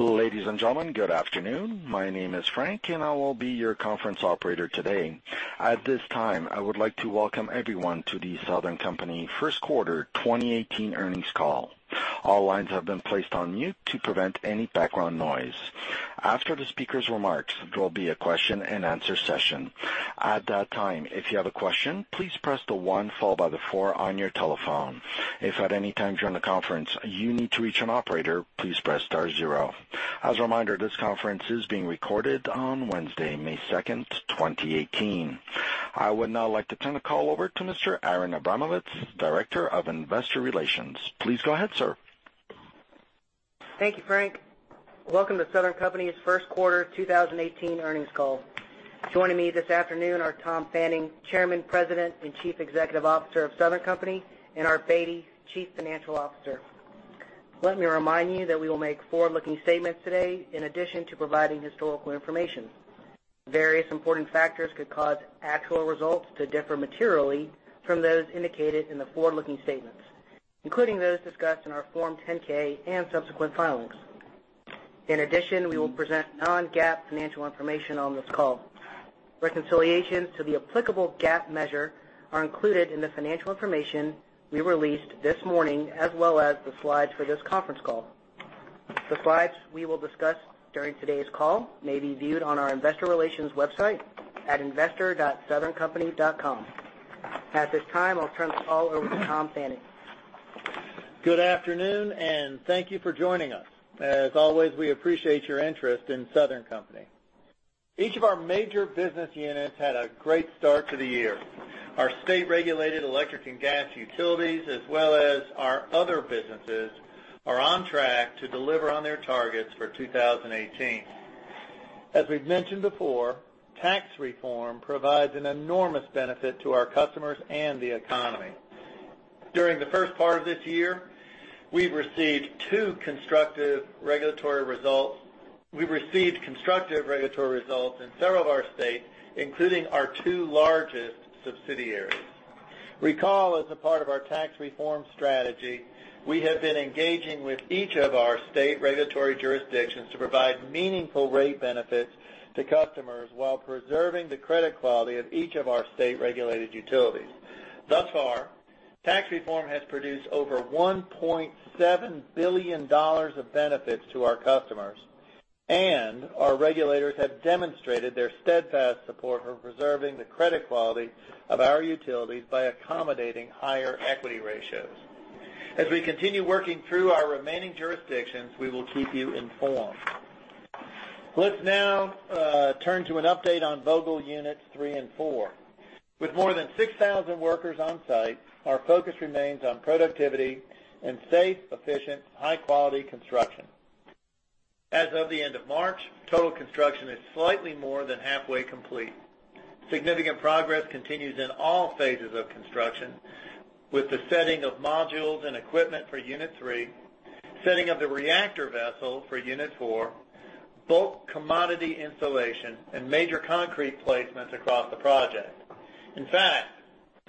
Ladies and gentlemen, good afternoon. My name is Frank, and I will be your conference operator today. At this time, I would like to welcome everyone to The Southern Company first quarter 2018 earnings call. All lines have been placed on mute to prevent any background noise. After the speaker's remarks, there will be a question and answer session. At that time, if you have a question, please press the one followed by the four on your telephone. If at any time during the conference you need to reach an operator, please press star zero. As a reminder, this conference is being recorded on Wednesday, May 2nd, 2018. I would now like to turn the call over to Mr. Aaron Abramovitz, Director of Investor Relations. Please go ahead, sir. Thank you, Frank. Welcome to Southern Company's first quarter 2018 earnings call. Joining me this afternoon are Tom Fanning, Chairman, President, and Chief Executive Officer of Southern Company, and Art Beattie, Chief Financial Officer. Let me remind you that we will make forward-looking statements today in addition to providing historical information. Various important factors could cause actual results to differ materially from those indicated in the forward-looking statements, including those discussed in our Form 10-K and subsequent filings. In addition, we will present non-GAAP financial information on this call. Reconciliations to the applicable GAAP measure are included in the financial information we released this morning, as well as the slides for this conference call. The slides we will discuss during today's call may be viewed on our investor relations website at investor.southerncompany.com. At this time, I'll turn the call over to Tom Fanning. Good afternoon, and thank you for joining us. As always, we appreciate your interest in Southern Company. Each of our major business units had a great start to the year. Our state-regulated electric and gas utilities, as well as our other businesses, are on track to deliver on their targets for 2018. As we've mentioned before, tax reform provides an enormous benefit to our customers and the economy. During the first part of this year, we've received constructive regulatory results in several of our states, including our two largest subsidiaries. Recall, as a part of our tax reform strategy, we have been engaging with each of our state regulatory jurisdictions to provide meaningful rate benefits to customers while preserving the credit quality of each of our state-regulated utilities. Thus far, tax reform has produced over $1.7 billion of benefits to our customers, and our regulators have demonstrated their steadfast support for preserving the credit quality of our utilities by accommodating higher equity ratios. As we continue working through our remaining jurisdictions, we will keep you informed. Let's now turn to an update on Vogtle Units 3 and 4. With more than 6,000 workers on site, our focus remains on productivity and safe, efficient, high-quality construction. As of the end of March, total construction is slightly more than halfway complete. Significant progress continues in all phases of construction with the setting of modules and equipment for Unit 3, setting of the reactor vessel for Unit 4, bulk commodity installation, and major concrete placements across the project. In fact,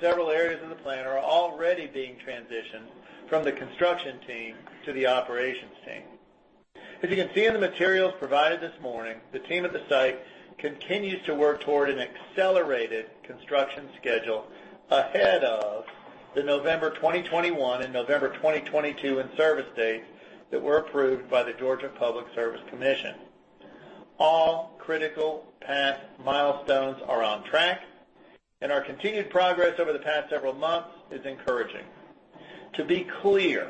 several areas of the plant are already being transitioned from the construction team to the operations team. As you can see in the materials provided this morning, the team at the site continues to work toward an accelerated construction schedule ahead of the November 2021 and November 2022 in-service dates that were approved by the Georgia Public Service Commission. All critical path milestones are on track, and our continued progress over the past several months is encouraging. To be clear,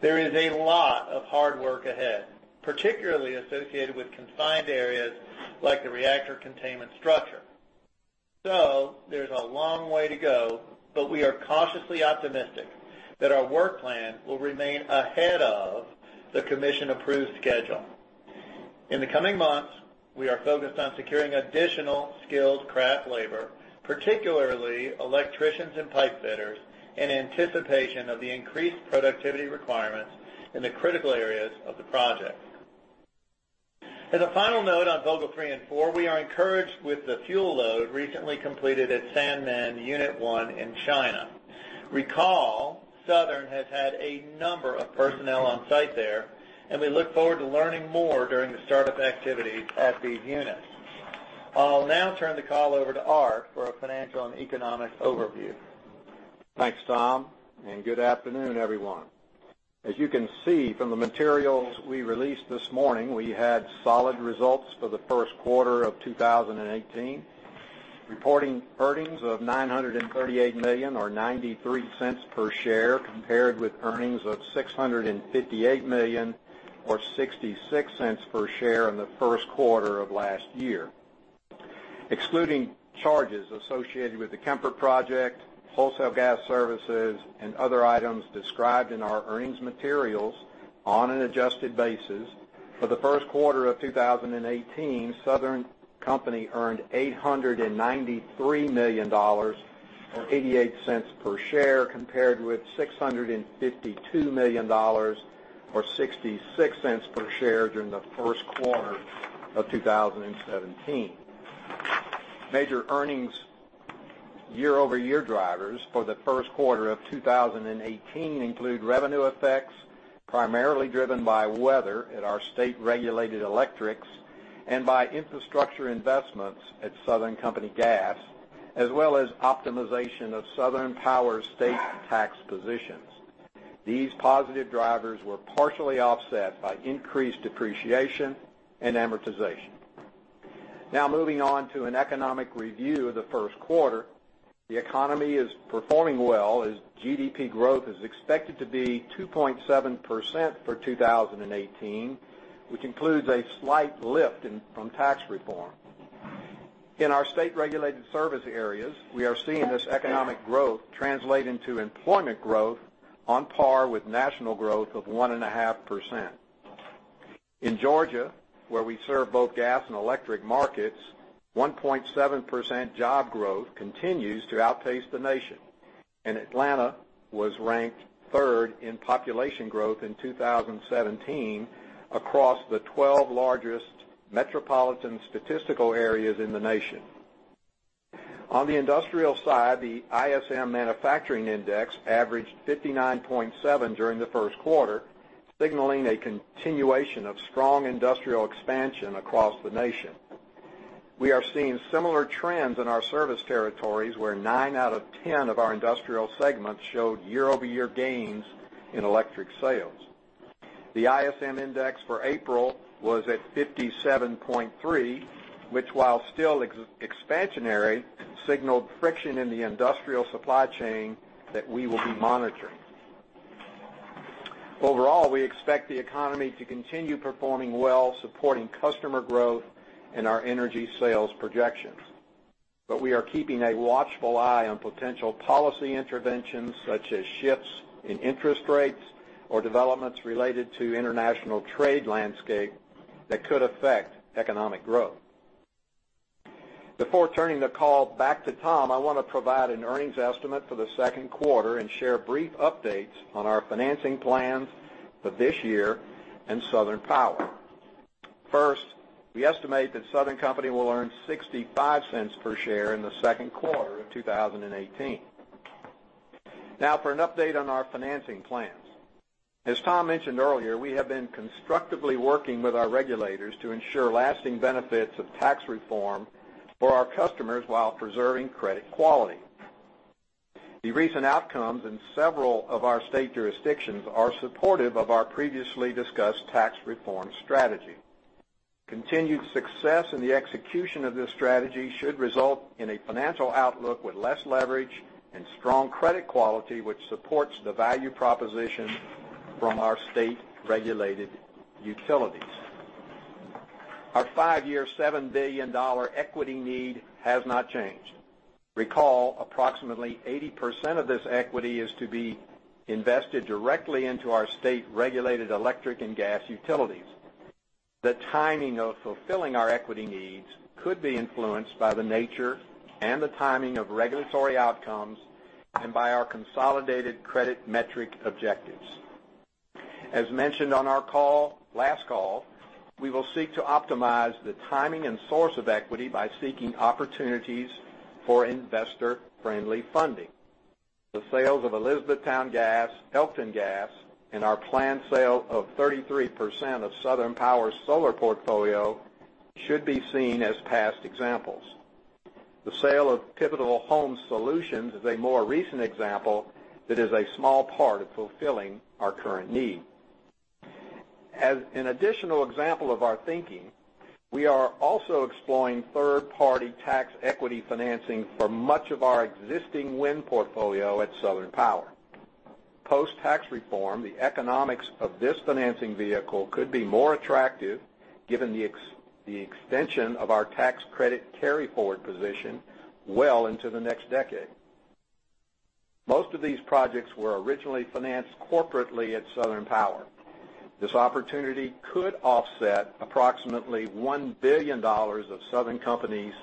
there is a lot of hard work ahead, particularly associated with confined areas like the reactor containment structure. There's a long way to go, but we are cautiously optimistic that our work plan will remain ahead of the commission-approved schedule. In the coming months, we are focused on securing additional skilled craft labor, particularly electricians and pipe fitters, in anticipation of the increased productivity requirements in the critical areas of the project. As a final note on Vogtle 3 and 4, we are encouraged with the fuel load recently completed at Sanmen Unit 1 in China. Recall, Southern has had a number of personnel on site there, and we look forward to learning more during the startup activities at these units. I'll now turn the call over to Art for a financial and economic overview. Thanks, Tom, and good afternoon, everyone. As you can see from the materials we released this morning, we had solid results for the first quarter of 2018, reporting earnings of $938 million or $0.93 per share compared with earnings of $658 million or $0.66 per share in the first quarter of last year. Excluding charges associated with the Kemper project, wholesale gas services, and other items described in our earnings materials on an adjusted basis for the first quarter of 2018, Southern Company earned $893 million or $0.88 per share compared with $652 million or $0.66 per share during the first quarter of 2017. Major earnings year-over-year drivers for the first quarter of 2018 include revenue effects, primarily driven by weather at our state-regulated electrics, and by infrastructure investments at Southern Company Gas, as well as optimization of Southern Power's state tax positions. These positive drivers were partially offset by increased depreciation and amortization. Moving on to an economic review of the first quarter. The economy is performing well as GDP growth is expected to be 2.7% for 2018, which includes a slight lift from tax reform. In our state-regulated service areas, we are seeing this economic growth translate into employment growth on par with national growth of 1.5%. In Georgia, where we serve both gas and electric markets, 1.7% job growth continues to outpace the nation. Atlanta was ranked third in population growth in 2017 across the 12 largest Metropolitan Statistical Areas in the nation. On the industrial side, the ISM Manufacturing Index averaged 59.7 during the first quarter, signaling a continuation of strong industrial expansion across the nation. We are seeing similar trends in our service territories, where nine out of 10 of our industrial segments showed year-over-year gains in electric sales. The ISM Index for April was at 57.3, which while still expansionary, signaled friction in the industrial supply chain that we will be monitoring. Overall, we expect the economy to continue performing well, supporting customer growth and our energy sales projections. We are keeping a watchful eye on potential policy interventions such as shifts in interest rates or developments related to international trade landscape that could affect economic growth. Before turning the call back to Tom, I want to provide an earnings estimate for the second quarter and share brief updates on our financing plans for this year in Southern Power. First, we estimate that Southern Company will earn $0.65 per share in the second quarter of 2018. Now for an update on our financing plans. As Tom mentioned earlier, we have been constructively working with our regulators to ensure lasting benefits of tax reform for our customers while preserving credit quality. The recent outcomes in several of our state jurisdictions are supportive of our previously discussed tax reform strategy. Continued success in the execution of this strategy should result in a financial outlook with less leverage and strong credit quality, which supports the value proposition from our state-regulated utilities. Our five-year, $7 billion equity need has not changed. Recall, approximately 80% of this equity is to be invested directly into our state-regulated electric and gas utilities. The timing of fulfilling our equity needs could be influenced by the nature and the timing of regulatory outcomes and by our consolidated credit metric objectives. As mentioned on our last call, we will seek to optimize the timing and source of equity by seeking opportunities for investor-friendly funding. The sales of Elizabethtown Gas, Elkton Gas, and our planned sale of 33% of Southern Power's solar portfolio should be seen as past examples. The sale of Pivotal Home Solutions is a more recent example that is a small part of fulfilling our current need. As an additional example of our thinking, we are also exploring third-party tax equity financing for much of our existing wind portfolio at Southern Power. Post-tax reform, the economics of this financing vehicle could be more attractive given the extension of our tax credit carry-forward position well into the next decade. Most of these projects were originally financed corporately at Southern Power. This opportunity could offset approximately $1 billion of Southern Company's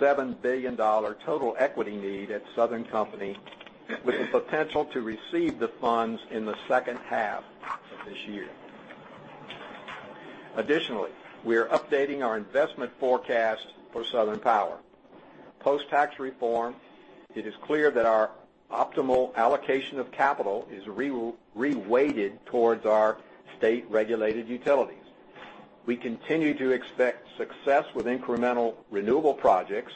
$7 billion total equity need at Southern Company, with the potential to receive the funds in the second half of this year. Additionally, we are updating our investment forecast for Southern Power. Post-tax reform, it is clear that our optimal allocation of capital is reweighted towards our state-regulated utilities. We continue to expect success with incremental renewable projects,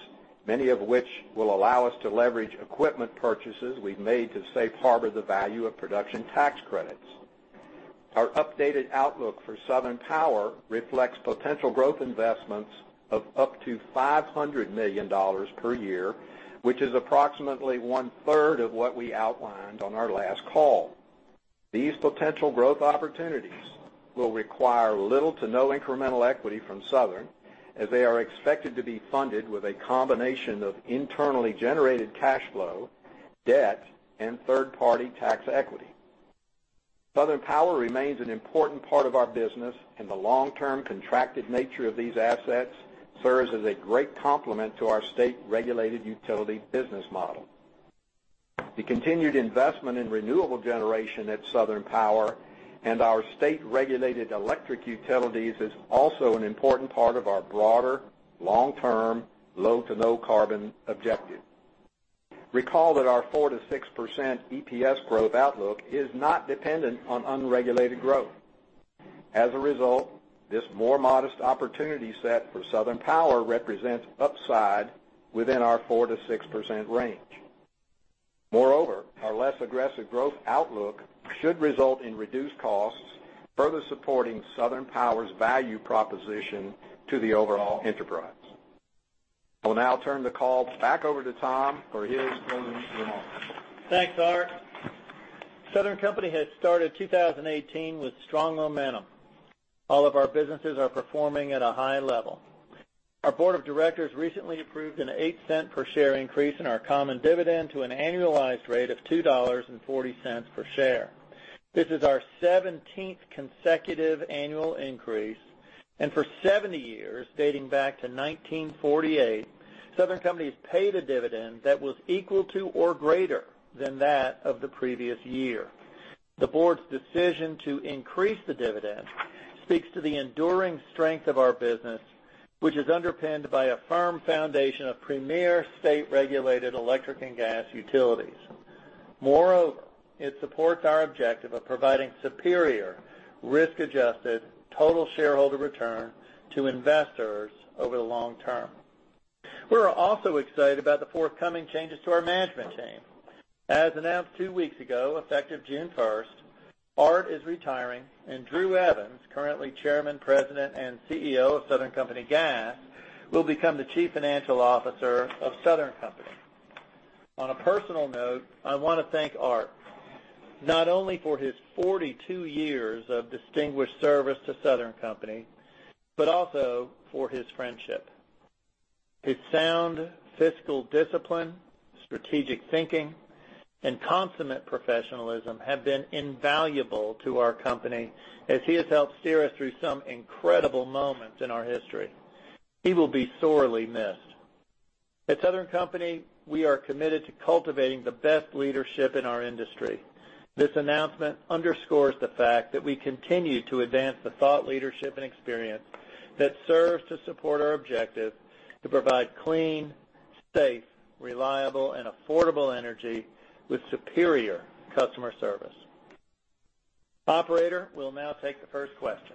many of which will allow us to leverage equipment purchases we've made to safe harbor the value of production tax credits. Our updated outlook for Southern Power reflects potential growth investments of up to $500 million per year, which is approximately one-third of what we outlined on our last call. These potential growth opportunities will require little to no incremental equity from Southern, as they are expected to be funded with a combination of internally generated cash flow, debt, and third-party tax equity. Southern Power remains an important part of our business, and the long-term contracted nature of these assets serves as a great complement to our state-regulated utility business model. The continued investment in renewable generation at Southern Power and our state-regulated electric utilities is also an important part of our broader long-term low to no carbon objective. Recall that our 4%-6% EPS growth outlook is not dependent on unregulated growth. As a result, this more modest opportunity set for Southern Power represents upside within our 4%-6% range. Moreover, our less aggressive growth outlook should result in reduced costs, further supporting Southern Power's value proposition to the overall enterprise. I will now turn the call back over to Tom for his opening remarks. Thanks, Art. Southern Company has started 2018 with strong momentum. All of our businesses are performing at a high level. Our board of directors recently approved an $0.08 per share increase in our common dividend to an annualized rate of $2.40 per share. This is our 17th consecutive annual increase, and for 70 years, dating back to 1948, Southern Company's paid a dividend that was equal to or greater than that of the previous year. The board's decision to increase the dividend speaks to the enduring strength of our business, which is underpinned by a firm foundation of premier state-regulated electric and gas utilities. Moreover, it supports our objective of providing superior risk-adjusted total shareholder return to investors over the long term. We're also excited about the forthcoming changes to our management team. As announced two weeks ago, effective June 1st, Art is retiring and Drew Evans, currently Chairman, President, and CEO of Southern Company Gas, will become the Chief Financial Officer of Southern Company. On a personal note, I want to thank Art, not only for his 42 years of distinguished service to Southern Company, but also for his friendship. His sound fiscal discipline, strategic thinking, and consummate professionalism have been invaluable to our company as he has helped steer us through some incredible moments in our history. He will be sorely missed. At Southern Company, we are committed to cultivating the best leadership in our industry. This announcement underscores the fact that we continue to advance the thought leadership and experience that serves to support our objective to provide clean, safe, reliable, and affordable energy with superior customer service. Operator, we'll now take the first question.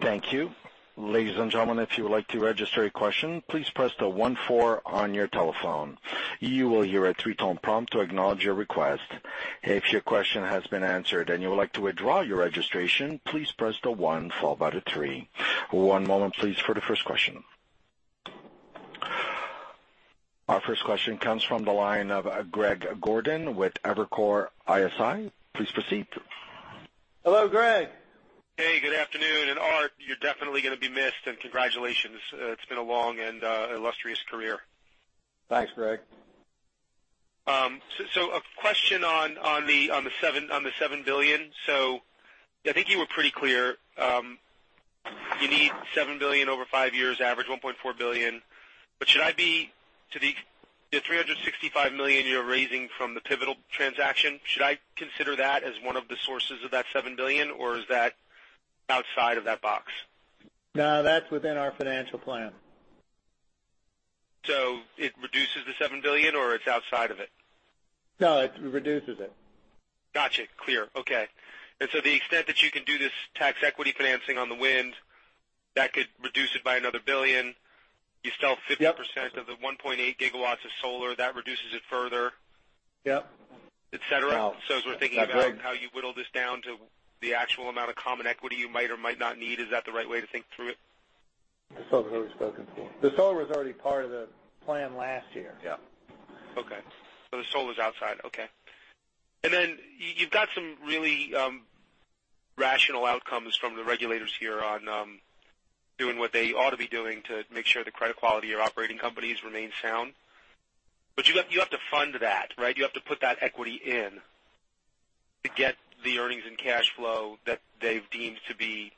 Thank you. Ladies and gentlemen, if you would like to register a question, please press the one four on your telephone. You will hear a 3-tone prompt to acknowledge your request. If your question has been answered and you would like to withdraw your registration, please press the 1 followed by the 3. One moment please for the first question. Our first question comes from the line of Greg Gordon with Evercore ISI. Please proceed. Hello, Greg. Hey, good afternoon. Art, you're definitely gonna be missed, and congratulations. It's been a long and illustrious career. Thanks, Greg. A question on the $7 billion. I think you were pretty clear. You need $7 billion over five years, average $1.4 billion. Should I be to the $365 million you're raising from the Pivotal transaction, should I consider that as one of the sources of that $7 billion or is that outside of that box? No, that's within our financial plan. It reduces the $7 billion or it's outside of it? No, it reduces it. Got you. Clear. Okay. The extent that you can do this tax equity financing on the wind, that could reduce it by another $1 billion. You still have 50% Yep of the 1.8 gigawatts of solar, that reduces it further. Yep. Et cetera. No. As we're thinking about how you whittle this down to the actual amount of common equity you might or might not need, is that the right way to think through it? The solar's already spoken for. The solar's already part of the plan last year. Yeah. The solar's outside. You've got some really rational outcomes from the regulators here on doing what they ought to be doing to make sure the credit quality of operating companies remains sound. You have to fund that, right? You have to put that equity in to get the earnings and cash flow that they've deemed to be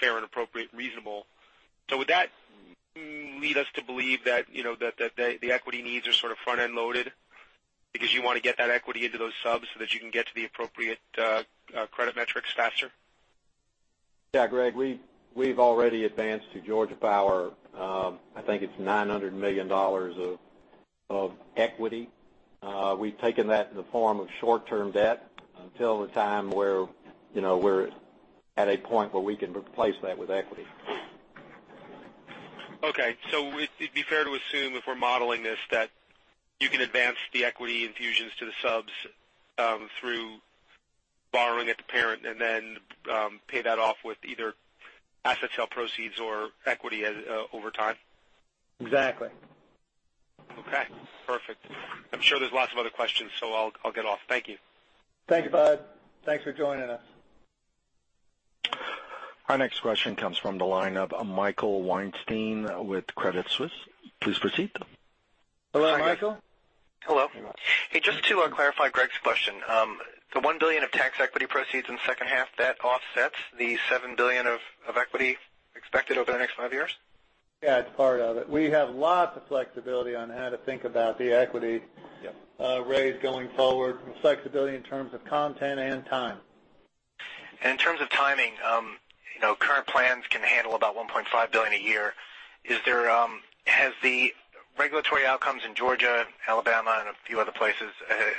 fair and appropriate, reasonable. Would that lead us to believe that the equity needs are sort of front-end loaded because you want to get that equity into those subs so that you can get to the appropriate credit metrics faster? Yeah, Greg, we've already advanced to Georgia Power. I think it's $900 million of equity. We've taken that in the form of short-term debt until the time where we're at a point where we can replace that with equity. It'd be fair to assume if we're modeling this, that you can advance the equity infusions to the subs through borrowing at the parent and then pay that off with either asset sale proceeds or equity over time. Exactly. Okay, perfect. I'm sure there's lots of other questions, so I'll get off. Thank you. Thank you, bud. Thanks for joining us. Our next question comes from the line of Michael Weinstein with Credit Suisse. Please proceed. Hello, Michael. Hello. Hey, just to clarify Greg's question. The $1 billion of tax equity proceeds in second half that offsets the $7 billion of equity Expected over the next five years? Yeah, it's part of it. We have lots of flexibility on how to think about the equity- Yep raise going forward, and flexibility in terms of content and time. In terms of timing, current plans can handle about $1.5 billion a year. Has the regulatory outcomes in Georgia, Alabama, and a few other places,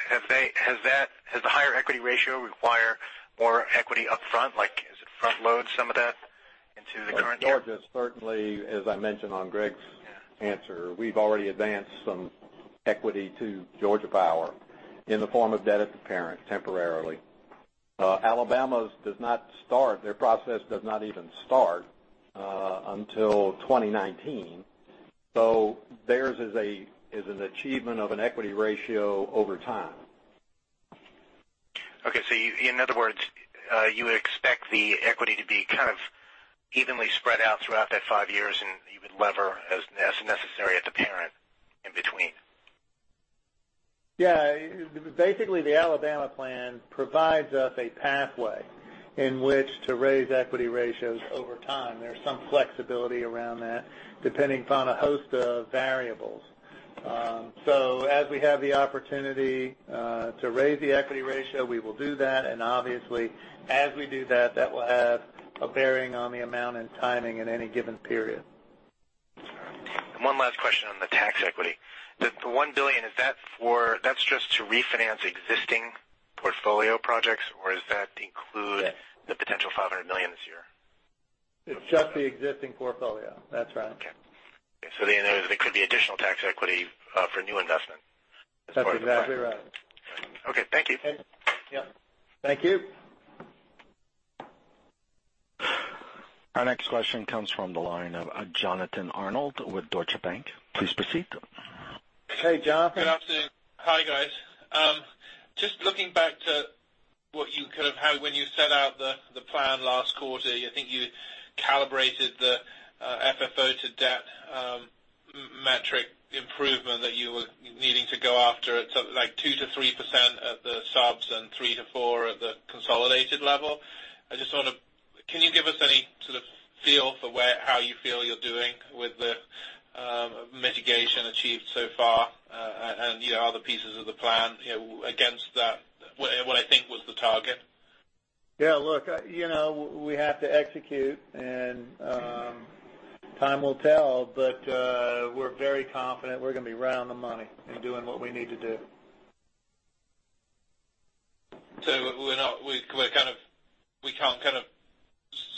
has the higher equity ratio require more equity up front? Like, is it front-load some of that into the current year? Georgia is certainly, as I mentioned on Greg's answer, we've already advanced some equity to Georgia Power in the form of debt at the parent temporarily. Alabama's does not start, their process does not even start until 2019. Theirs is an achievement of an equity ratio over time. Okay. In other words, you would expect the equity to be kind of evenly spread out throughout that five years, and you would lever as necessary at the parent in between? Yeah. Basically, the Alabama plan provides us a pathway in which to raise equity ratios over time. There's some flexibility around that depending upon a host of variables. As we have the opportunity to raise the equity ratio, we will do that, and obviously as we do that will have a bearing on the amount and timing in any given period. All right. One last question on the tax equity. The $1 billion, that's just to refinance existing portfolio projects, or does that include- Yes the potential $500 million this year? It's just the existing portfolio. That's right. Okay. There could be additional tax equity for new investment. That's exactly right. Okay. Thank you. Yep. Thank you. Our next question comes from the line of Jonathan Arnold with Deutsche Bank. Please proceed. Hey, Jonathan. Good afternoon. Hi, guys. Just looking back to what you kind of had when you set out the plan last quarter. I think you calibrated the FFO to debt metric improvement that you were needing to go after at something like 2%-3% at the subs and 3%-4% at the consolidated level. Can you give us any sort of feel for how you feel you're doing with the mitigation achieved so far, and other pieces of the plan against what I think was the target? Look, we have to execute, and time will tell, but we're very confident we're going to be around the money and doing what we need to do. We can't kind of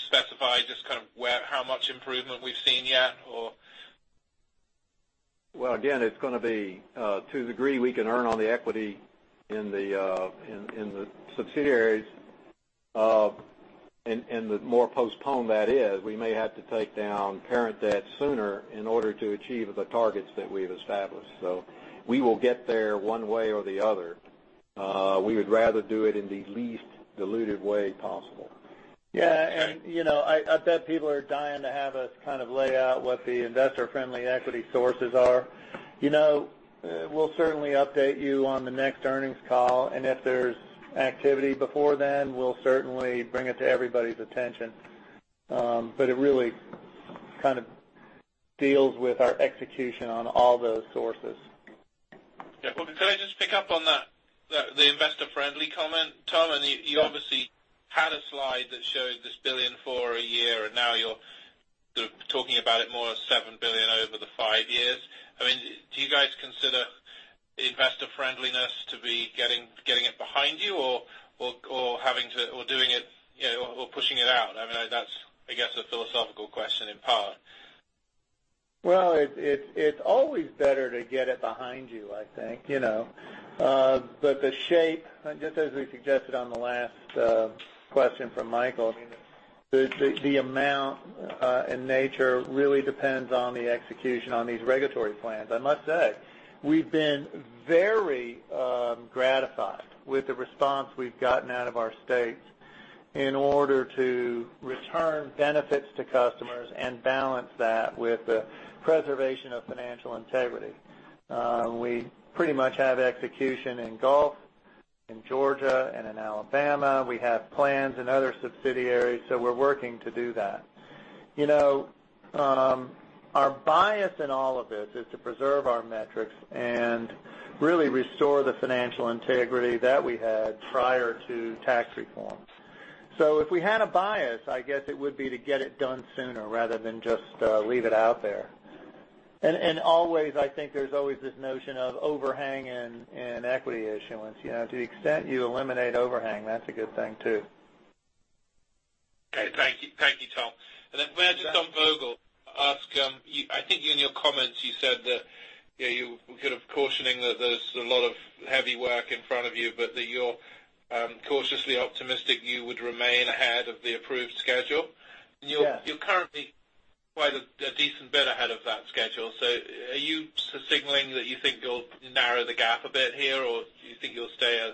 specify just how much improvement we've seen yet, or? Well, again, it's going to be to the degree we can earn on the equity in the subsidiaries. The more postponed that is, we may have to take down parent debt sooner in order to achieve the targets that we've established. We will get there one way or the other. We would rather do it in the least dilutive way possible. I bet people are dying to have us lay out what the investor-friendly equity sources are. We'll certainly update you on the next earnings call, and if there's activity before then, we'll certainly bring it to everybody's attention. It really kind of deals with our execution on all those sources. Well, could I just pick up on that, the investor-friendly comment, Tom? You obviously had a slide that showed this $1 billion for a year, and now you're sort of talking about it more as $7 billion over the five years. I mean, do you guys consider investor-friendliness to be getting it behind you or doing it or pushing it out? I mean, that's, I guess, a philosophical question in part. It's always better to get it behind you, I think. The shape, just as we suggested on the last question from Michael, I mean, the amount and nature really depends on the execution on these regulatory plans. I must say, we've been very gratified with the response we've gotten out of our states in order to return benefits to customers and balance that with the preservation of financial integrity. We pretty much have execution in Gulf Power, in Georgia, and in Alabama. We have plans in other subsidiaries, so we're working to do that. Our bias in all of this is to preserve our metrics and really restore the financial integrity that we had prior to tax reforms. If we had a bias, I guess it would be to get it done sooner rather than just leave it out there. Always, I think there's always this notion of overhang and equity issuance. To the extent you eliminate overhang, that's a good thing too. Okay. Thank you, Tom. May I just on Vogtle ask, I think you in your comments, you said that you were kind of cautioning that there's a lot of heavy work in front of you, but that you're cautiously optimistic you would remain ahead of the approved schedule. You're currently quite a decent bit ahead of that schedule. Are you signaling that you think you'll narrow the gap a bit here, or do you think you'll stay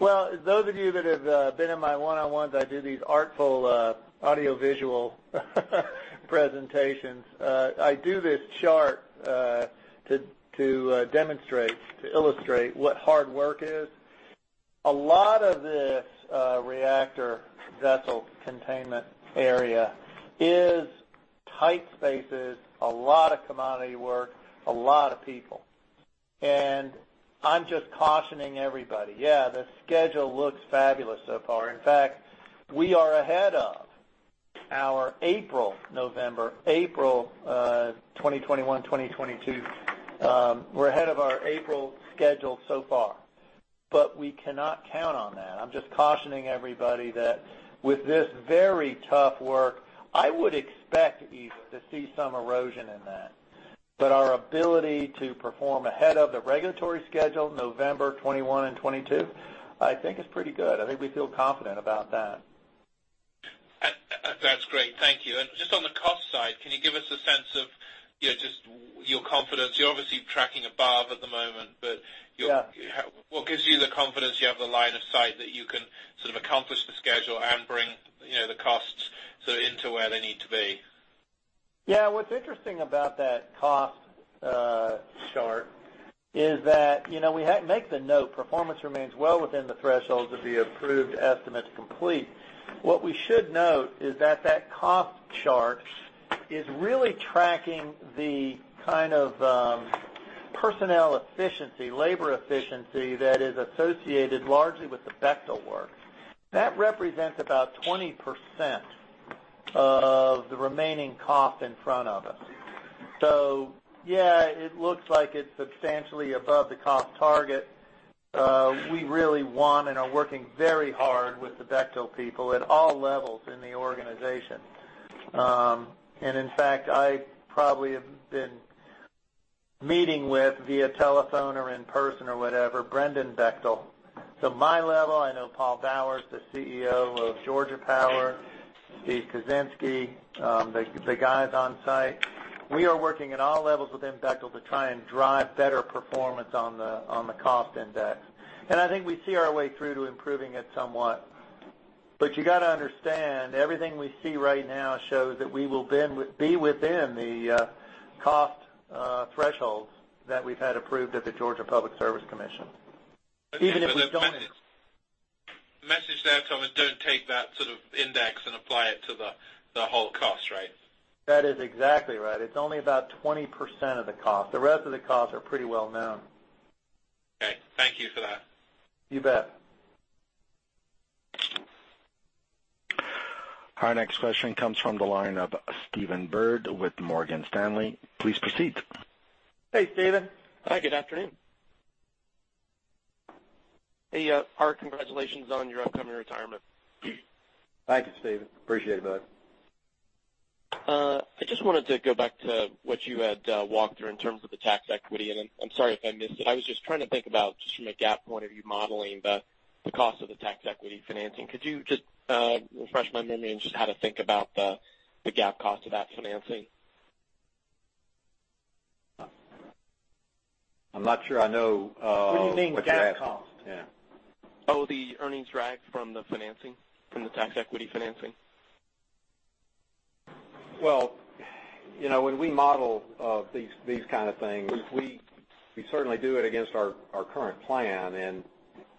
as? Those of you that have been in my one-on-ones, I do these artful audiovisual presentations. I do this chart to demonstrate, to illustrate what hard work is. A lot of this reactor vessel containment area is tight spaces, a lot of commodity work, a lot of people. I'm just cautioning everybody. The schedule looks fabulous so far. In fact, we are ahead of our April, November 2021, 2022. We're ahead of our April schedule so far, we cannot count on that. I'm just cautioning everybody that with this very tough work, I would expect even to see some erosion in that. Our ability to perform ahead of the regulatory schedule, November 2021 and 2022, I think is pretty good. I think we feel confident about that. That's great. Thank you. Just on the cost side, can you give us a sense of just your confidence? You're obviously tracking above at the moment, but- Yeah What gives you the confidence you have the line of sight that you can sort of accomplish the schedule and bring the costs into where they need to be? Yeah. What's interesting about that cost chart is that, we make the note, performance remains well within the thresholds of the approved estimates complete. What we should note is that cost chart is really tracking the kind of personnel efficiency, labor efficiency that is associated largely with the Bechtel work. That represents about 20% of the remaining cost in front of us. Yeah, it looks like it's substantially above the cost target. We really want and are working very hard with the Bechtel people at all levels in the organization. In fact, I probably have been meeting with, via telephone or in person or whatever, Brendan Bechtel. My level, I know Paul Bowers, the CEO of Georgia Power, Steve Kuczynski, the guys on site. We are working at all levels within Bechtel to try and drive better performance on the cost index. I think we see our way through to improving it somewhat. You got to understand, everything we see right now shows that we will be within the cost thresholds that we've had approved at the Georgia Public Service Commission. Even if we don't- The message there is, don't take that sort of index and apply it to the whole cost, right? That is exactly right. It's only about 20% of the cost. The rest of the costs are pretty well known. Okay. Thank you for that. You bet. Our next question comes from the line of Stephen Byrd with Morgan Stanley. Please proceed. Hey, Stephen. Hi, good afternoon. Hey, Art, congratulations on your upcoming retirement. Thank you, Stephen. Appreciate it, bud. I just wanted to go back to what you had walked through in terms of the tax equity, and I'm sorry if I missed it. I was just trying to think about just from a GAAP point of view, modeling the cost of the tax equity financing. Could you just refresh my memory on just how to think about the GAAP cost of that financing? I'm not sure I know. What do you mean GAAP cost? Yeah. Oh, the earnings drag from the financing, from the tax equity financing. Well, when we model these kind of things, we certainly do it against our current plan.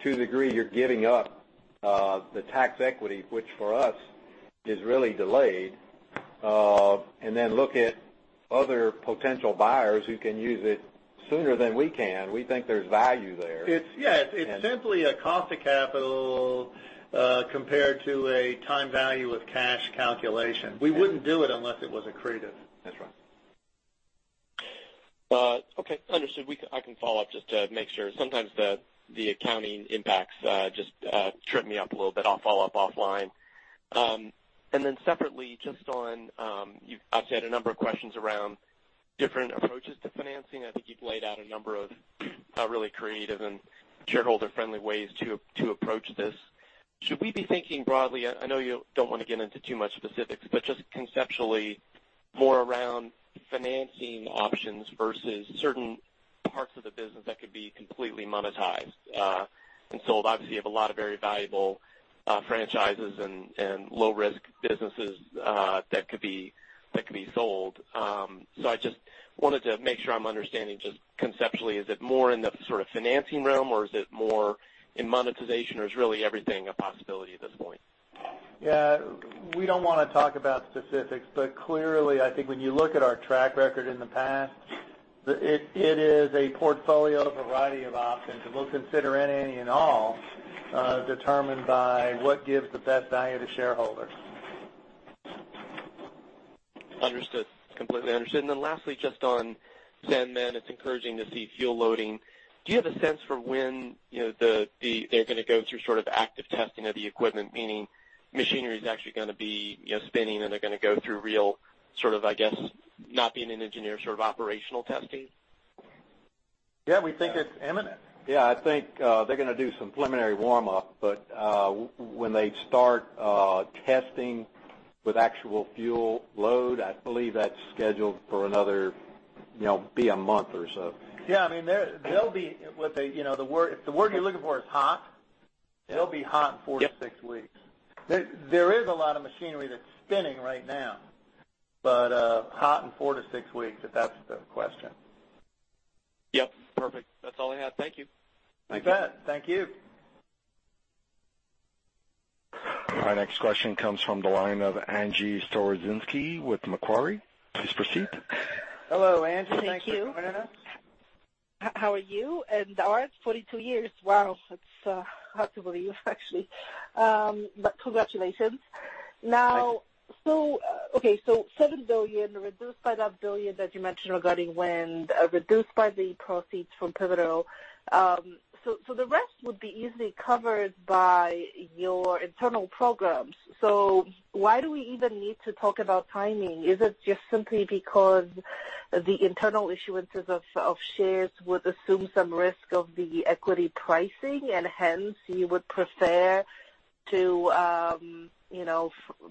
To a degree, you're giving up the tax equity, which for us is really delayed, and then look at other potential buyers who can use it sooner than we can. We think there's value there. It's, yeah. It's simply a cost of capital compared to a time value of cash calculation. We wouldn't do it unless it was accretive. That's right. Okay, understood. I can follow up just to make sure. Sometimes the accounting impacts just trip me up a little bit. I'll follow up offline. Separately, just on, you've obviously had a number of questions around different approaches to financing. I think you've laid out a number of really creative and shareholder-friendly ways to approach this. Should we be thinking broadly? I know you don't want to get into too much specifics, but just conceptually more around financing options versus certain parts of the business that could be completely monetized and sold. Obviously, you have a lot of very valuable franchises and low-risk businesses that could be sold. I just wanted to make sure I'm understanding just conceptually, is it more in the sort of financing realm, or is it more in monetization, or is really everything a possibility at this point? Yeah. We don't want to talk about specifics, but clearly, I think when you look at our track record in the past, it is a portfolio of a variety of options, and we'll consider any and all, determined by what gives the best value to shareholders. Understood. Completely understood. Lastly, just on Sanmen, it's encouraging to see fuel loading. Do you have a sense for when they're going to go through sort of active testing of the equipment? Meaning machinery's actually going to be spinning, and they're going to go through real sort of, I guess, not being an engineer, sort of operational testing? Yeah, we think it's imminent. Yeah. I think they're going to do some preliminary warm-up, when they start testing with actual fuel load, I believe that's scheduled for another, be a month or so. Yeah. If the word you're looking for is hot- Yeah they'll be hot in four to six weeks. There is a lot of machinery that's spinning right now. Hot in four to six weeks, if that's the question. Yep, perfect. That's all I had. Thank you. You bet. Thank you. Our next question comes from the line of Agnieszka Storozynski with Macquarie. Please proceed. Hello, Angie. Thank you. Thanks for joining us. How are you and Art? 42 years. Wow. That's hard to believe, actually. Congratulations. Thanks. Okay, $7 billion, reduced by that $1 billion that you mentioned regarding when, reduced by the proceeds from Pivotal. The rest would be easily covered by your internal programs. Why do we even need to talk about timing? Is it just simply because the internal issuances of shares would assume some risk of the equity pricing, and hence you would prefer to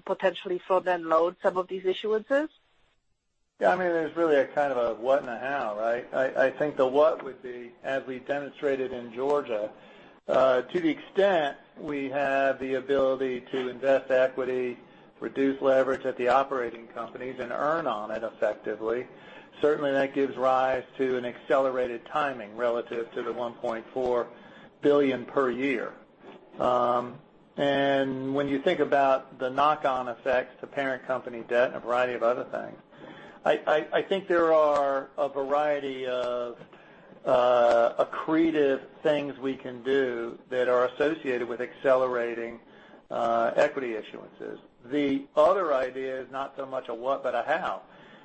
potentially front-end load some of these issuances? Yeah, there's really a kind of a what and a how, right? I think the what would be, as we demonstrated in Georgia, to the extent we have the ability to invest equity, reduce leverage at the operating companies and earn on it effectively. Certainly, that gives rise to an accelerated timing relative to the $1.4 billion per year. When you think about the knock-on effects to parent company debt and a variety of other things, I think there are a variety of accretive things we can do that are associated with accelerating equity issuances. The other idea is not so much a what but a how.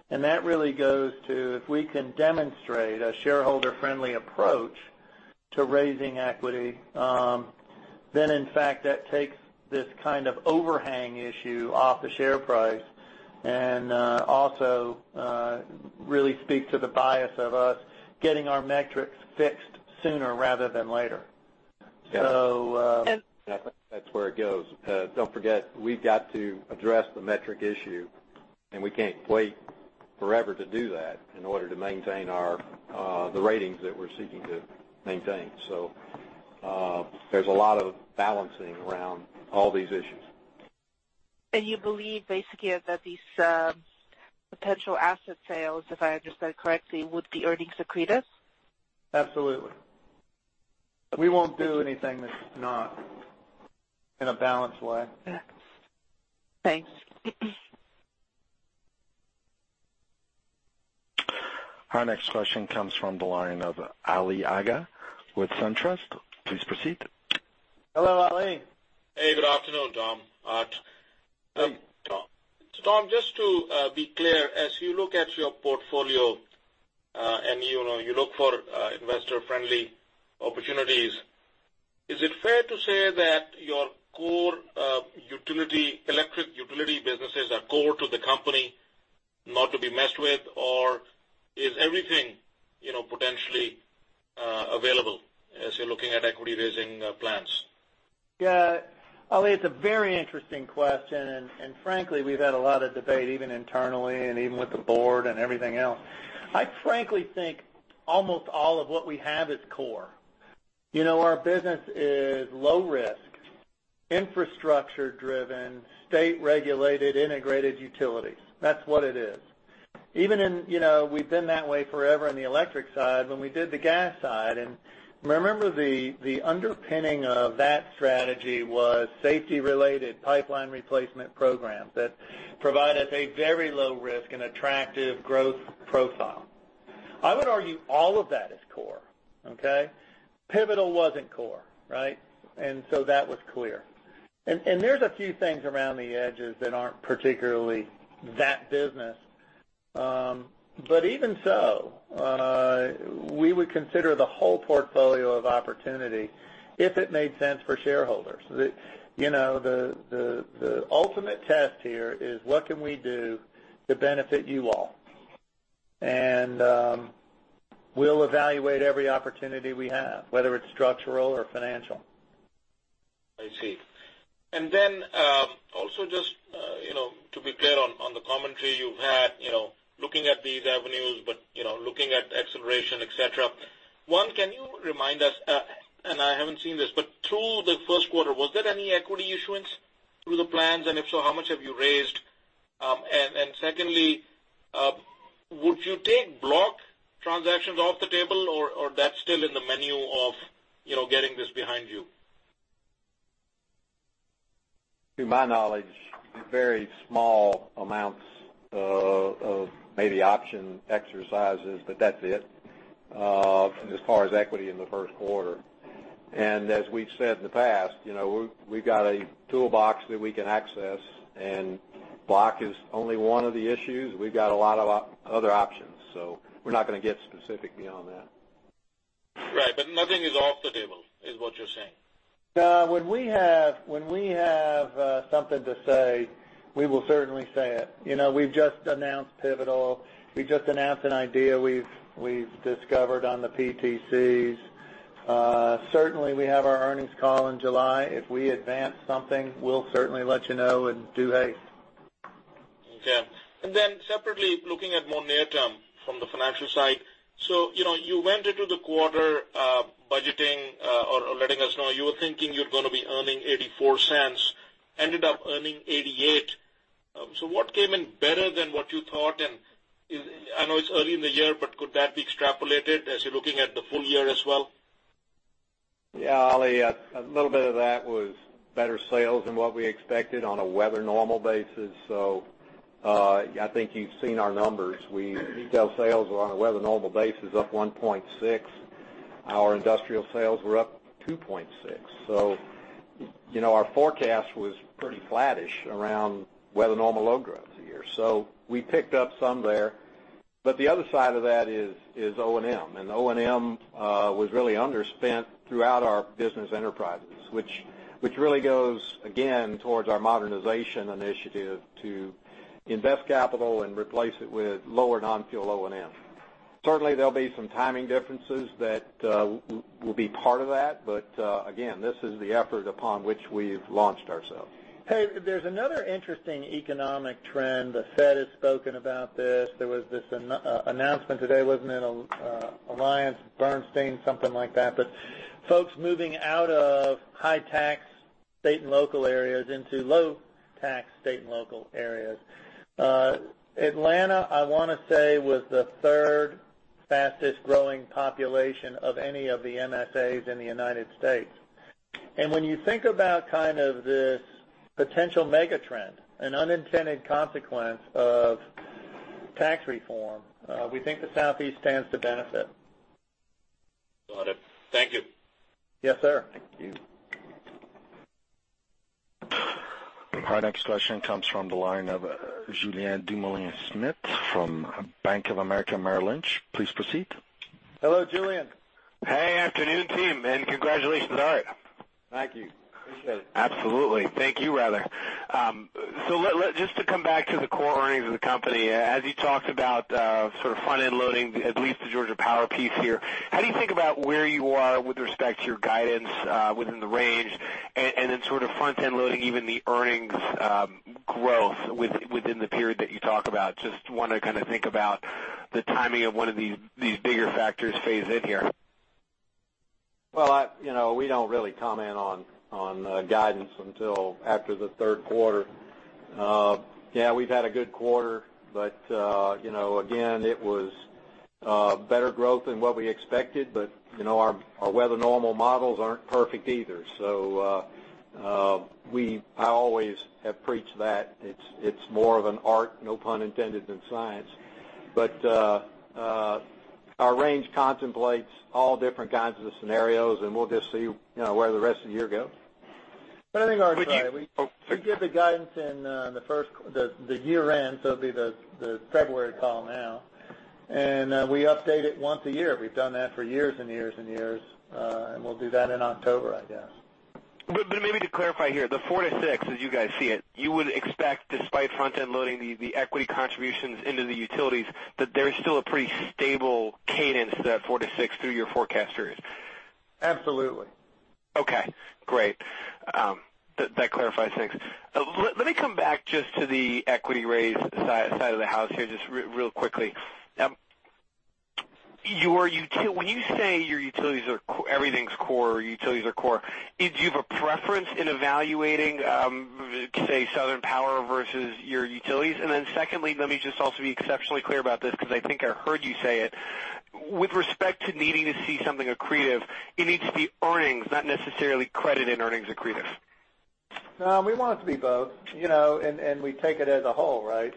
That really goes to, if we can demonstrate a shareholder-friendly approach to raising equity, then in fact, that takes this kind of overhang issue off the share price and also really speaks to the bias of us getting our metrics fixed sooner rather than later. Yeah. So- I think that's where it goes. Don't forget, we've got to address the metric issue, and we can't wait forever to do that in order to maintain the ratings that we're seeking to maintain. There's a lot of balancing around all these issues. You believe basically that these potential asset sales, if I understood correctly, would be earnings accretive? Absolutely. We won't do anything that's not in a balanced way. Yeah. Thanks. Our next question comes from the line of Ali Agha with SunTrust. Please proceed. Hello, Ali. Hey, good afternoon, Tom, Art. Tom, just to be clear, as you look at your portfolio, and you look for investor-friendly opportunities, is it fair to say that your core electric utility businesses are core to the company not to be messed with? Or is everything potentially available as you're looking at equity-raising plans? Ali, it's a very interesting question, and frankly, we've had a lot of debate even internally and even with the board and everything else. I frankly think almost all of what we have is core. Our business is low risk, infrastructure-driven, state-regulated, integrated utilities. That's what it is. We've been that way forever on the electric side. When we did the gas side, remember the underpinning of that strategy was safety-related pipeline replacement programs that provided a very low risk and attractive growth profile. I would argue all of that is core. Okay? Pivotal wasn't core, right? That was clear. There's a few things around the edges that aren't particularly that business. Even so, we would consider the whole portfolio of opportunity if it made sense for shareholders. The ultimate test here is what can we do to benefit you all? We'll evaluate every opportunity we have, whether it's structural or financial. I see. Also just to be clear on the commentary you've had, looking at these avenues, looking at acceleration, et cetera. One, can you remind us, and I haven't seen this, but through the first quarter, was there any equity issuance through the plans? If so, how much have you raised? Secondly, would you take block transactions off the table, or that's still in the menu of getting this behind you? To my knowledge, very small amounts of maybe option exercises, but that's it. As far as equity in the first quarter. As we've said in the past, we've got a toolbox that we can access, and block is only one of the issues. We've got a lot of other options. We're not going to get specific beyond that. Right. Nothing is off the table, is what you're saying? When we have something to say, we will certainly say it. We've just announced Pivotal. We just announced an idea we've discovered on the PTCs. Certainly, we have our earnings call in July. If we advance something, we'll certainly let you know and do haste. Separately, looking at more near term from the financial side. You went into the quarter budgeting or letting us know you were thinking you're going to be earning $0.84, ended up earning $0.88. What came in better than what you thought? I know it's early in the year, but could that be extrapolated as you're looking at the full year as well? Ali, a little bit of that was better sales than what we expected on a weather normal basis. I think you've seen our numbers. Retail sales were on a weather normal basis, up 1.6%. Our industrial sales were up 2.6%. Our forecast was pretty flattish around weather normal load growth here. We picked up some there. The other side of that is O&M, O&M was really underspent throughout our business enterprises, which really goes, again, towards our modernization initiative to invest capital and replace it with lower non-fuel O&M. Certainly, there'll be some timing differences that will be part of that. Again, this is the effort upon which we've launched ourselves. There's another interesting economic trend. The Fed has spoken about this. There was this announcement today, wasn't it AllianceBernstein, something like that? Folks moving out of high-tax state and local areas into low-tax state and local areas. Atlanta, I want to say, was the third fastest-growing population of any of the MSAs in the United States. When you think about kind of this potential mega-trend, an unintended consequence of tax reform, we think the Southeast stands to benefit. Got it. Thank you. Yes, sir. Thank you. Our next question comes from the line of Julien Dumoulin-Smith from Bank of America Merrill Lynch. Please proceed. Hello, Julien. Hey, afternoon, team, congratulations, Art. Thank you. Appreciate it. Absolutely. Thank you, rather. Just to come back to the core earnings of the company, as you talked about sort of front-end loading, at least the Georgia Power piece here, how do you think about where you are with respect to your guidance within the range and then sort of front-end loading even the earnings growth within the period that you talk about? Just want to kind of think about the timing of when these bigger factors phase in here. We don't really comment on guidance until after the third quarter. Yeah, we've had a good quarter, again, it was better growth than what we expected. Our weather normal models aren't perfect either. I always have preached that it's more of an art, no pun intended, than science. Our range contemplates all different kinds of scenarios, and we'll just see where the rest of the year goes. I think, Art, we give the guidance in the year-end, so it'll be the February call now. We update it once a year. We've done that for years and years and years. We'll do that in October, I guess. Maybe to clarify here, the four to six as you guys see it, you would expect, despite front-end loading the equity contributions into the utilities, that there's still a pretty stable cadence, that four to six through your forecast period. Absolutely. Okay, great. That clarifies things. Let me come back just to the equity raise side of the house here, just real quickly. When you say everything's core or utilities are core, do you have a preference in evaluating, say, Southern Power versus your utilities? Secondly, let me just also be exceptionally clear about this because I think I heard you say it. With respect to needing to see something accretive, it needs to be earnings, not necessarily credit and earnings accretive. No, we want it to be both. We take it as a whole, right?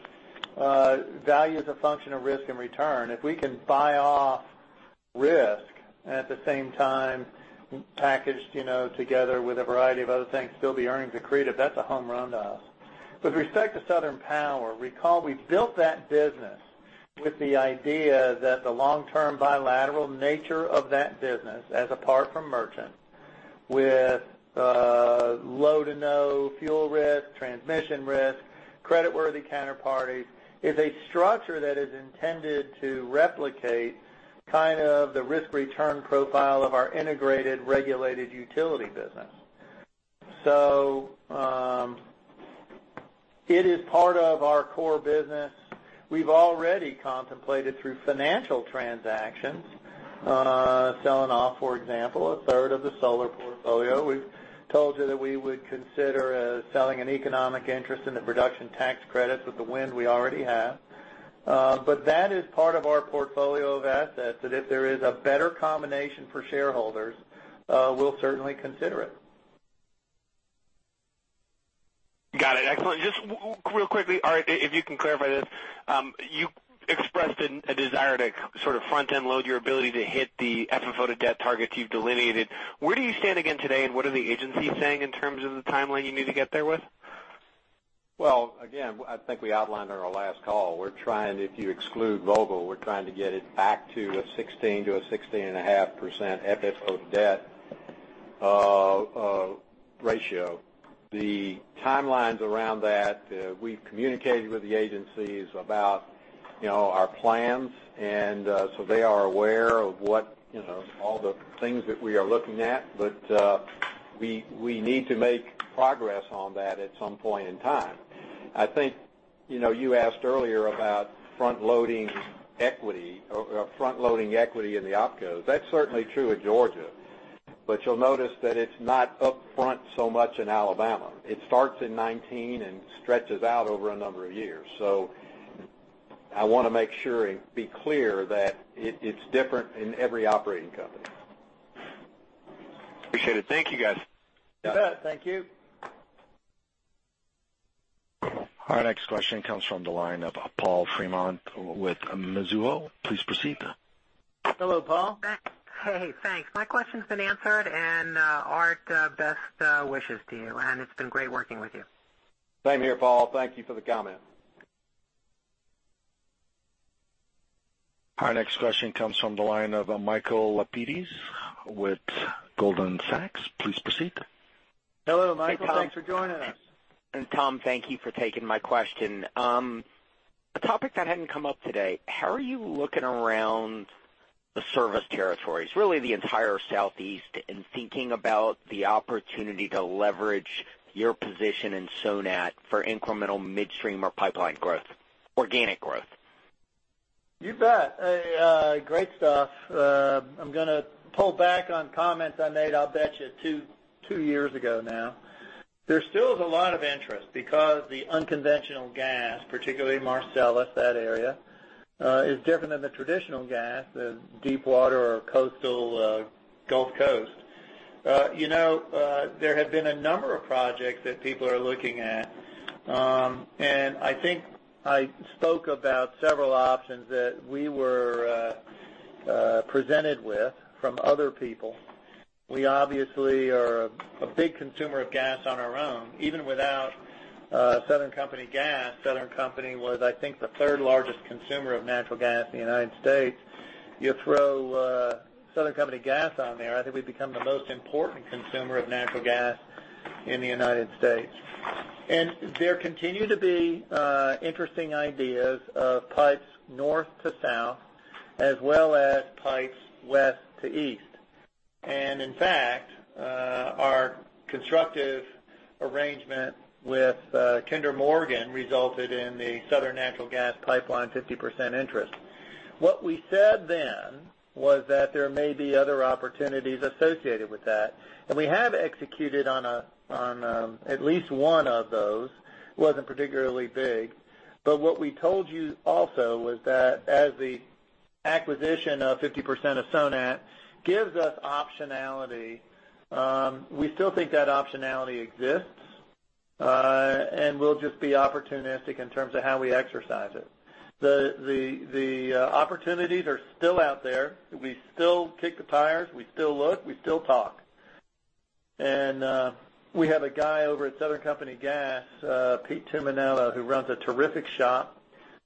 Value is a function of risk and return. If we can buy off risk, at the same time packaged together with a variety of other things, still be earnings accretive, that's a home run to us. With respect to Southern Power, recall we built that business with the idea that the long-term bilateral nature of that business as apart from merchant with low to no fuel risk, transmission risk, creditworthy counterparties, is a structure that is intended to replicate kind of the risk-return profile of our integrated regulated utility business. It is part of our core business. We've already contemplated through financial transactions, selling off, for example, a third of the solar portfolio. We've told you that we would consider selling an economic interest in the production tax credits with the wind we already have. That is part of our portfolio of assets, that if there is a better combination for shareholders, we'll certainly consider it. Got it. Excellent. Just real quickly, Art, if you can clarify this. You expressed a desire to sort of front-end load your ability to hit the FFO to debt targets you've delineated. Where do you stand again today, and what are the agencies saying in terms of the timeline you need to get there with? Well, again, I think we outlined on our last call. If you exclude Vogtle, we're trying to get it back to a 16-16.5% FFO debt ratio. The timelines around that, we've communicated with the agencies about our plans. They are aware of all the things that we are looking at. We need to make progress on that at some point in time. You asked earlier about front-loading equity in the OpCos. That's certainly true in Georgia. You'll notice that it's not upfront so much in Alabama. It starts in 2019 and stretches out over a number of years. I want to make sure and be clear that it's different in every operating company. Appreciate it. Thank you, guys. You bet. Thank you. Our next question comes from the line of Paul Fremont with Mizuho. Please proceed. Hello, Paul. Hey, thanks. My question's been answered. Art, best wishes to you. It's been great working with you. Same here, Paul. Thank you for the comment. Our next question comes from the line of Michael Lapides with Goldman Sachs. Please proceed. Hello, Michael. Thanks for joining us. Tom, thank you for taking my question. A topic that hadn't come up today, how are you looking around the service territories, really the entire Southeast, and thinking about the opportunity to leverage your position in Sonat for incremental midstream or pipeline growth, organic growth? You bet. Great stuff. I'm going to pull back on comments I made, I'll bet you 2 years ago now. There still is a lot of interest because the unconventional gas, particularly Marcellus, that area, is different than the traditional gas, the deep water or coastal Gulf Coast. There have been a number of projects that people are looking at. I think I spoke about several options that we were presented with from other people. We obviously are a big consumer of gas on our own. Even without Southern Company Gas, Southern Company was, I think, the third-largest consumer of natural gas in the U.S. You throw Southern Company Gas on there, I think we become the most important consumer of natural gas in the U.S. There continue to be interesting ideas of pipes north to south, as well as pipes west to east. In fact, our constructive arrangement with Kinder Morgan resulted in the Southern Natural Gas Pipeline 50% interest. What we said then was that there may be other opportunities associated with that, and we have executed on at least one of those. Wasn't particularly big. What we told you also was that as the acquisition of 50% of Sonat gives us optionality. We still think that optionality exists. We'll just be opportunistic in terms of how we exercise it. The opportunities are still out there. We still kick the tires. We still look. We still talk. We have a guy over at Southern Company Gas, Peter Tumminello, who runs a terrific shop.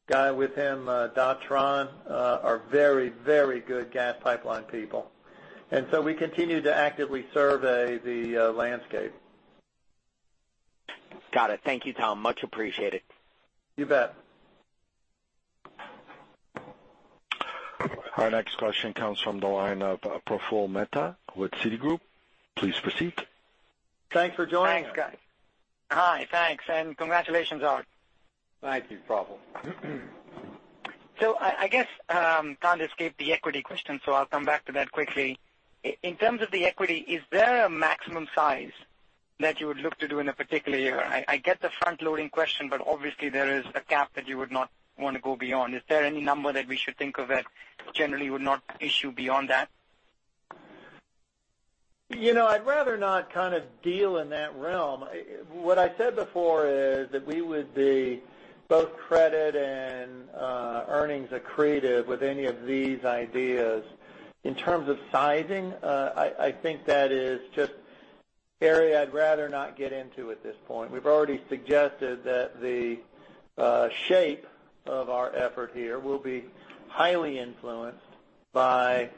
Guy with him, Don Tran, are very good gas pipeline people. We continue to actively survey the landscape. Got it. Thank you, Tom. Much appreciated. You bet. Our next question comes from the line of Praful Mehta with Citigroup. Please proceed. Thanks for joining us. Thanks, guys. Hi, thanks, and congratulations, Art. Thank you, Praful. I guess can't escape the equity question, I'll come back to that quickly. In terms of the equity, is there a maximum size that you would look to do in a particular year? I get the front-loading question, but obviously there is a cap that you would not want to go beyond. Is there any number that we should think of that generally you would not issue beyond that? I'd rather not deal in that realm. What I said before is that we would be both credit and earnings accretive with any of these ideas. In terms of sizing, I think that is just area I'd rather not get into at this point. We've already suggested that the shape of our effort here will be highly influenced by,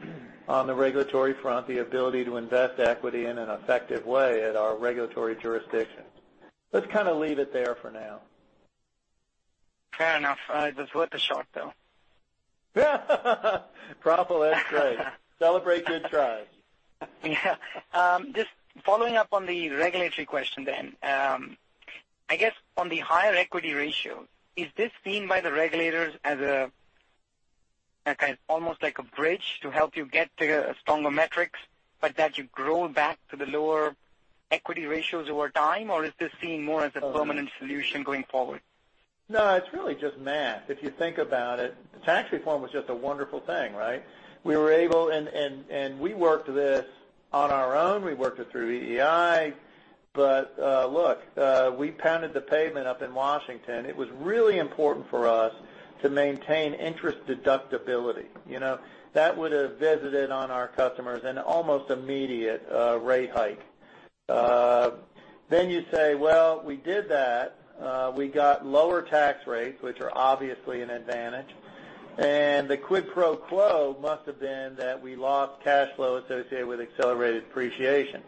on the regulatory front, the ability to invest equity in an effective way at our regulatory jurisdictions. Let's leave it there for now. Fair enough. It was worth a shot, though. Praful, that's great. Celebrate good tries. Yeah. Just following up on the regulatory question. I guess on the higher equity ratio, is this seen by the regulators as almost like a bridge to help you get to stronger metrics, but that you grow back to the lower equity ratios over time, or is this seen more as a permanent solution going forward? No, it's really just math. If you think about it, tax reform was just a wonderful thing, right? We were able, and we worked this on our own. We worked it through EEI. Look, we pounded the pavement up in Washington. It was really important for us to maintain interest deductibility. That would have visited on our customers an almost immediate rate hike. You say, well, we did that. We got lower tax rates, which are obviously an advantage. The quid pro quo must have been that we lost cash flow associated with accelerated depreciation.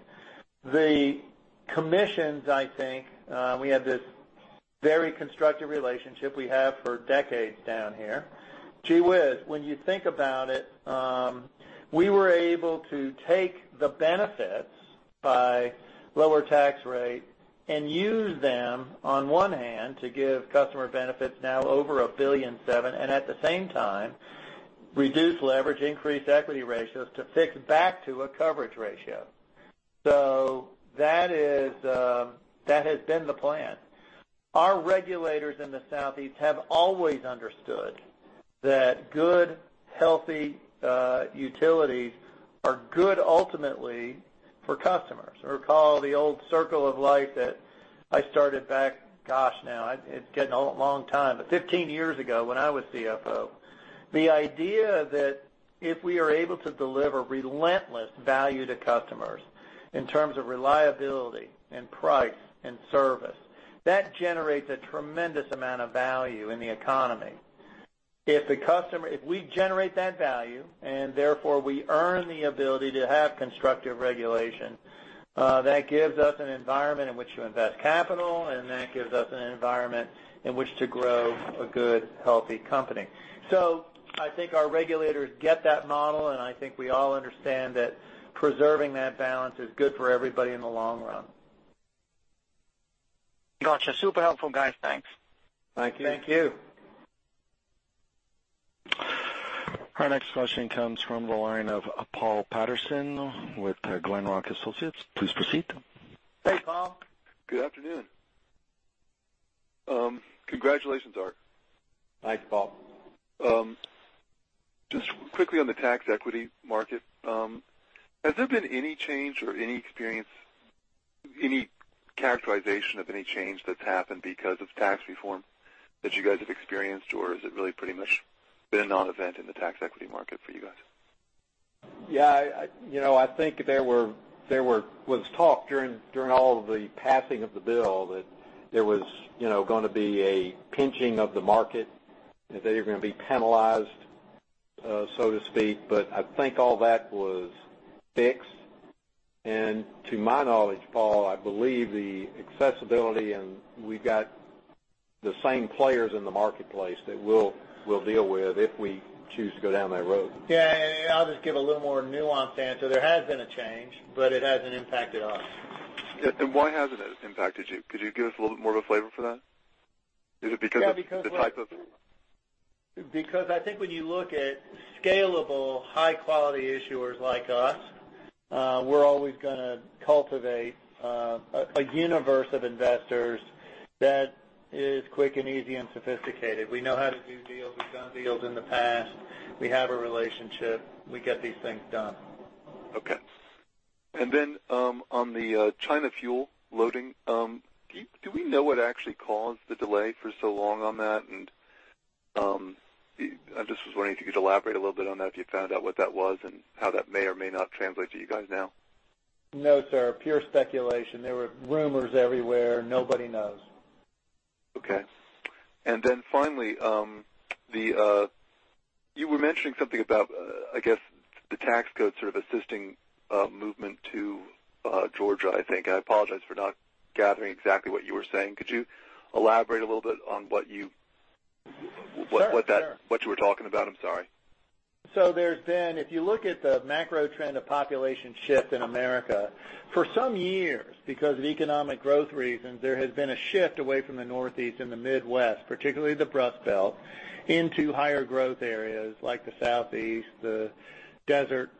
The commissions, I think, we had this very constructive relationship we have for decades down here. Gee whiz. When you think about it, we were able to take the benefits by lower tax rate and use them on one hand to give customer benefits now over $1.7 billion. At the same time, reduce leverage, increase equity ratios to fix back to a coverage ratio. That has been the plan. Our regulators in the Southeast have always understood that good, healthy utilities are good ultimately for customers. Recall the old circle of life that I started back, gosh, now it's getting a long time, but 15 years ago when I was CFO. The idea that if we are able to deliver relentless value to customers in terms of reliability and price and service, that generates a tremendous amount of value in the economy. If we generate that value and therefore we earn the ability to have constructive regulation, that gives us an environment in which to invest capital, and that gives us an environment in which to grow a good, healthy company. I think our regulators get that model, and I think we all understand that preserving that balance is good for everybody in the long run. Got you. Super helpful, guys. Thanks. Thank you. Thank you. Our next question comes from the line of Paul Patterson with Glenrock Associates. Please proceed. Hey, Paul. Good afternoon. Congratulations, Art. Thanks, Paul. Just quickly on the tax equity market, has there been any change or any characterization of any change that's happened because of tax reform that you guys have experienced? Or has it really pretty much been a non-event in the tax equity market for you guys? Yeah. I think there was talk during all of the passing of the bill that there was going to be a pinching of the market, that they were going to be penalized, so to speak. I think all that was fixed. To my knowledge, Paul, I believe the accessibility, and we've got the same players in the marketplace that we'll deal with if we choose to go down that road. Yeah. I'll just give a little more nuanced answer. There has been a change, but it hasn't impacted us. Yeah. Why hasn't it impacted you? Could you give us a little bit more of a flavor for that? Is it because of the type of- When you look at scalable, high-quality issuers like us, we're always going to cultivate a universe of investors that is quick and easy and sophisticated. We know how to do deals. We've done deals in the past. We have a relationship. We get these things done. Okay. On the China fuel loading, do we know what actually caused the delay for so long on that? I just was wondering if you could elaborate a little bit on that, if you found out what that was and how that may or may not translate to you guys now? No, sir. Pure speculation. There were rumors everywhere. Nobody knows. Okay. Finally, you were mentioning something about, I guess, the tax code sort of assisting movement to Georgia, I think. I apologize for not gathering exactly what you were saying. Could you elaborate a little bit on what you were talking about? I'm sorry. There's been, if you look at the macro trend of population shift in the U.S., for some years, because of economic growth reasons, there has been a shift away from the Northeast and the Midwest, particularly the Rust Belt, into higher growth areas like the Southeast, the Desert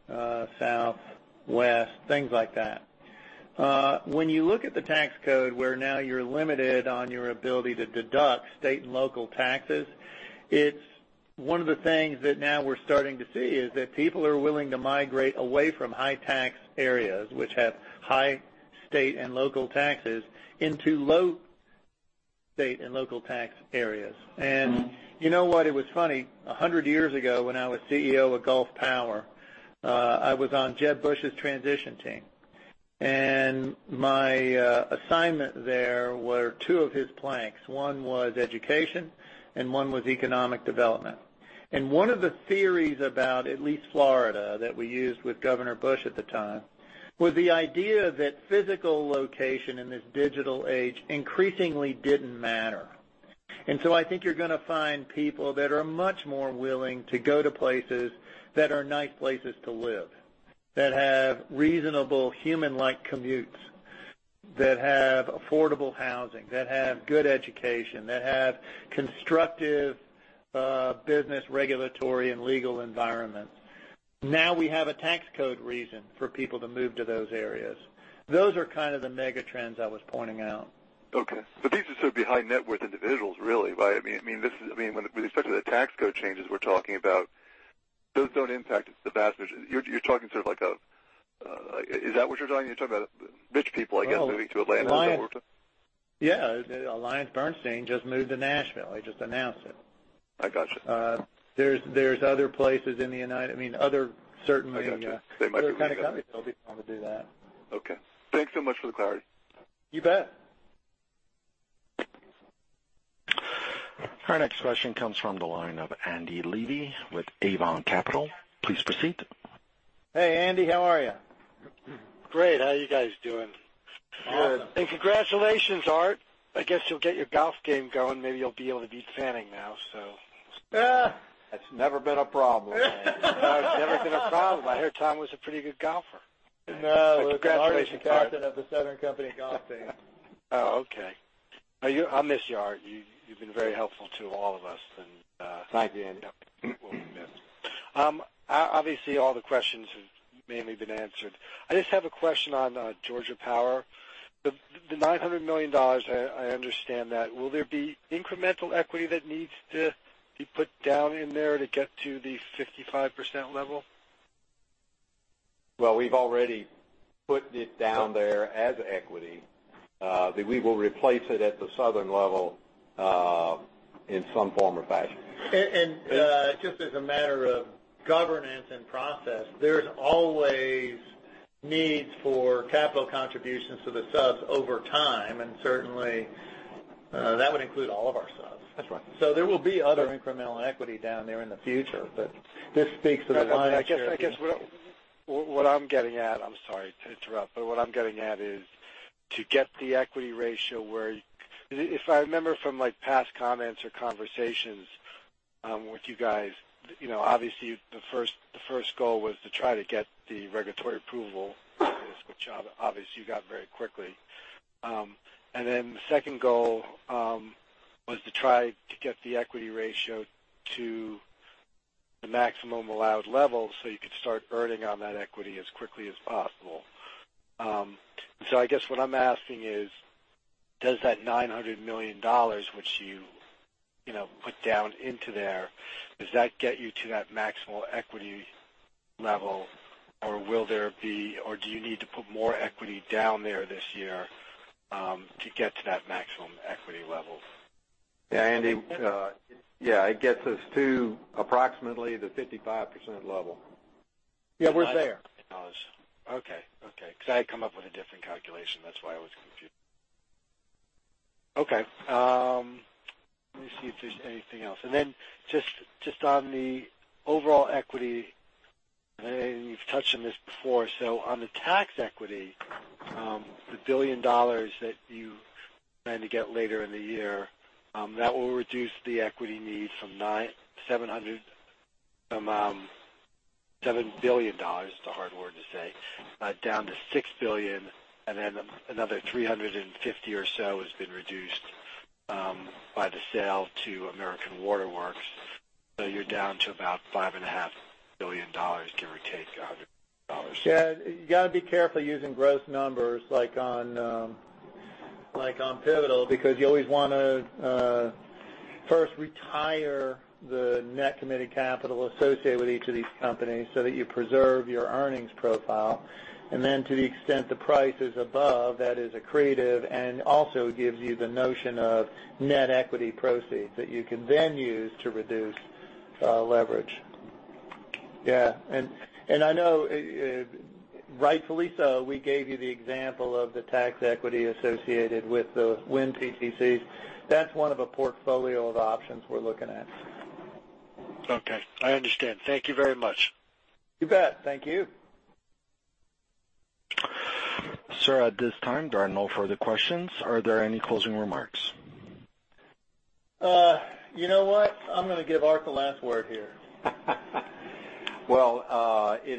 Southwest, things like that. When you look at the tax code, where now you're limited on your ability to deduct state and local taxes, it's one of the things that now we're starting to see is that people are willing to migrate away from high tax areas, which have high state and local taxes, into low state and local tax areas. You know what? It was funny. 100 years ago when I was CEO of Gulf Power, I was on Jeb Bush's transition team. My assignment there were two of his planks. One was education and one was economic development. One of the theories about at least Florida that we used with Governor Bush at the time was the idea that physical location in this digital age increasingly didn't matter. I think you're going to find people that are much more willing to go to places that are nice places to live, that have reasonable human-like commutes, that have affordable housing, that have good education, that have constructive business regulatory and legal environments. Now we have a tax code reason for people to move to those areas. Those are kind of the mega trends I was pointing out. Okay. These would be high net worth individuals, really, right? With respect to the tax code changes we're talking about, those don't impact the vast majority. Is that what you're talking? You're talking about rich people, I guess, moving to Atlanta? Yeah. AllianceBernstein just moved to Nashville. They just announced it. I got you. There's other places in the other certain- I got you. They might be- -kind of companies that'll be wanting to do that. Okay. Thanks so much for the clarity. You bet. Our next question comes from the line of Andy Leedy with Avon Capital. Please proceed. Hey, Andy, how are you? Great. How are you guys doing? Good. Congratulations, Art. I guess you'll get your golf game going. Maybe you'll be able to beat Fanning now. That's never been a problem. No, it's never been a problem. I heard Tom was a pretty good golfer. No. Congratulations. Art is the captain of The Southern Company golf team. Oh, okay. I miss you, Art. You've been very helpful to all of us. Thank you, Andy. You will be missed. Obviously, all the questions have mainly been answered. I just have a question on Georgia Power. The $900 million, I understand that. Will there be incremental equity that needs to be put down in there to get to the 55% level? Well, we've already put it down there as equity. We will replace it at the Southern level in some form or fashion. Just as a matter of governance and process, there's always needs for capital contributions to the subs over time, and certainly, that would include all of our subs. That's right. There will be other incremental equity down there in the future. What I'm getting at is to get the equity ratio where If I remember from past comments or conversations with you guys, obviously the first goal was to try to get the regulatory approval, which obviously you got very quickly. The second goal was to try to get the equity ratio to the maximum allowed level so you could start earning on that equity as quickly as possible. I guess what I'm asking is, does that $900 million, which you put down into there, does that get you to that maximal equity level? Or do you need to put more equity down there this year to get to that maximum equity level? Andy. It gets us to approximately the 55% level. We're there. I had come up with a different calculation. That's why I was confused. Let me see if there's anything else. Just on the overall equity, and you've touched on this before, on the tax equity, the $1 billion that you plan to get later in the year, that will reduce the equity needs from $7 billion, it's a hard word to say, down to $6 billion, and then another $350 million or so has been reduced by the sale to American Water Works. You're down to about $5.5 billion, give or take $100 million. You got to be careful using gross numbers like on Pivotal, because you always want to first retire the net committed capital associated with each of these companies so that you preserve your earnings profile. To the extent the price is above, that is accretive and also gives you the notion of net equity proceeds that you can then use to reduce leverage. I know, rightfully so, we gave you the example of the tax equity associated with the wind PTCs. That's one of a portfolio of options we're looking at. Okay. I understand. Thank you very much. You bet. Thank you. Sir, at this time, there are no further questions. Are there any closing remarks? You know what? I'm going to give Art the last word here. It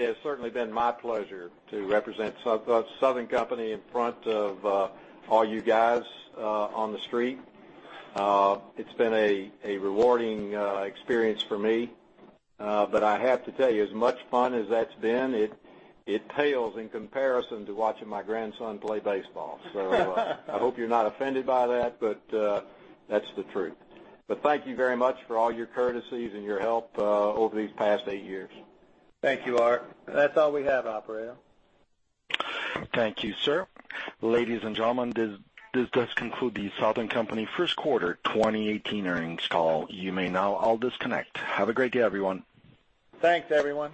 has certainly been my pleasure to represent Southern Company in front of all you guys on the street. It's been a rewarding experience for me. I have to tell you, as much fun as that's been, it pales in comparison to watching my grandson play baseball. I hope you're not offended by that, but that's the truth. Thank you very much for all your courtesies and your help over these past eight years. Thank you, Art Beattie. That's all we have, operator. Thank you, sir. Ladies and gentlemen, this does conclude the Southern Company first quarter 2018 earnings call. You may now all disconnect. Have a great day, everyone. Thanks, everyone.